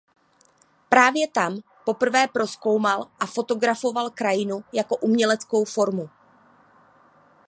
Právě tam poprvé prozkoumal a fotografoval krajinu jako uměleckou formu.